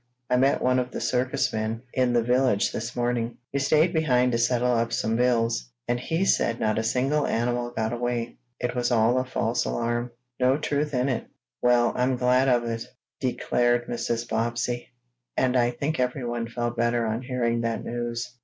"I met one of the circus men in the village this morning. He stayed behind to settle up some bills, and he said not a single animal got away. It was all a false alarm; no truth in it." "Well, I'm glad of it!" declared Mrs. Bobbsey, and I think everyone felt better on hearing that news.